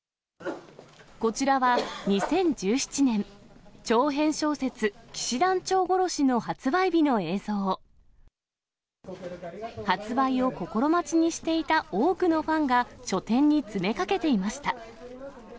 こちらは２０１７年、長編小説、騎士団長殺しの発売日の映像。発売を心待ちにしていた多くのファンが書店に詰めかけていました。